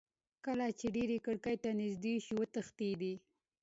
کله چې دېو کړکۍ ته نیژدې شو وتښتېدی.